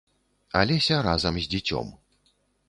Алеся разам з дзіцём.